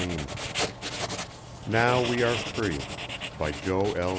_ now we are three _by Joe L.